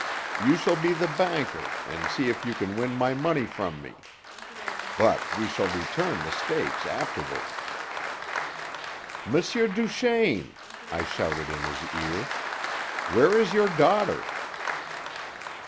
You shall be the banker, and see if you can win my money from me. But we shall return the stakes afterward." "M. Duchaine!" I shouted in his ear. "Where is your daughter?"